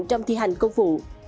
trong thi hành công vụ